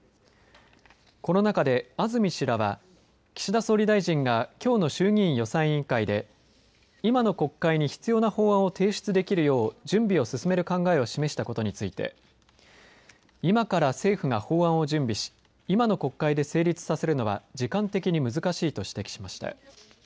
この中で安住氏らは岸田総理大臣がきょうの衆議院予算委員会で今の国会に必要な法案を提出できるよう準備を進める考えを示したことについて今から政府が法案を準備し今の国会で成立させるのは時間的に難しいと指摘しました。